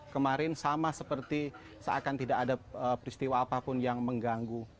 kemarin sama seperti seakan tidak ada peristiwa apapun yang mengganggu